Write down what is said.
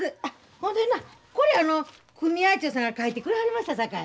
ほんでなこれあの組合長さんが書いてくれはりましたさかい。